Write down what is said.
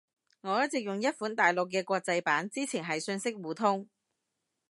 我一直用一款大陸嘅國際版。之前係信息互通